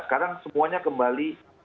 sekarang semuanya kembali